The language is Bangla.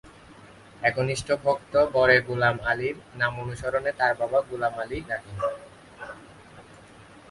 একনিষ্ঠ ভক্ত বড়ে গুলাম আলীর নাম অনুসরণে তার বাবা গুলাম আলী রাখেন।